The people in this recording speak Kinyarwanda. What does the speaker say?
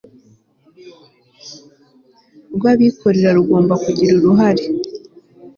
rw abikorera rugomba kugira uruhare